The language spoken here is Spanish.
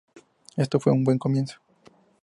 Esto fue un muy buen comienzo.